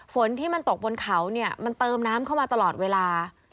ฝนที่มันตกบนเขาเนี่ยมันเติมน้ำเข้ามาตลอดเวลา